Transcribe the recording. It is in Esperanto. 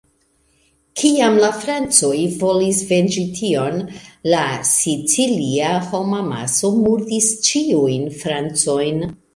Kiam la francoj volis venĝi tion, la sicilia homamaso murdis ĉiujn francojn.